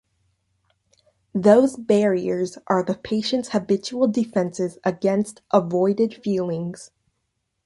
Those barriers are the patient's habitual defences against avoided feelings.